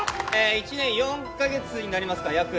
１年４か月になりますか約。